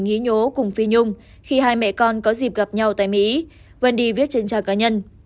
nghĩ nhố cùng phi nhung khi hai mẹ con có dịp gặp nhau tại mỹ wendy viết trên trang cá nhân